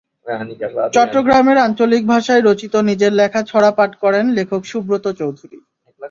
চট্টগ্রামের আঞ্চলিক ভাষায় রচিত নিজের লেখা ছড়া পাঠ করেন লেখক সুব্রত চৌধুরি।